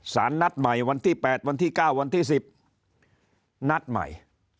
สารนัดใหม่วันที่๘วันที่๙วันที่๑๐นัดใหม่